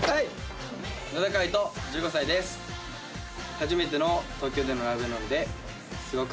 初めての東京でのライブなのですごく頑張ります。